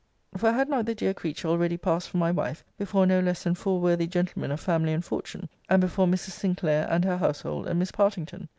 For had not the dear creature already passed for my wife before no less than four worthy gentlemen of family and fortune? and before Mrs. Sinclair, and her household, and Miss Partington?